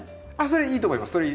それいいと思います。